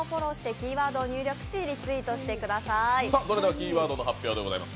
キーワードの発表でございます。